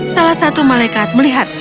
salah satu malaikat melihatnya